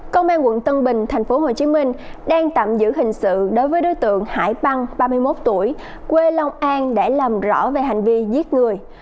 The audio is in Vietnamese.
công an quận tân bình tp hcm đang tạm giữ hình sự đối với đối tượng hải tăng ba mươi một tuổi quê long an để làm rõ về hành vi giết người